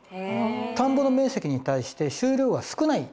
田んぼの面積に対して収量が少ない。